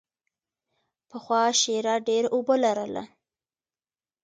پخوا شیره ډېره اوبه لرله.